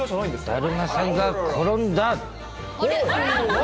だるまさんが転んだ。